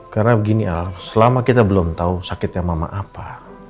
karena begini al selama kita belum tau sakitnya mama apa